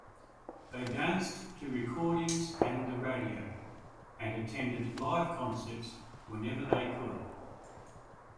They danced to recordings and the radio, and attended live concerts whenever they could.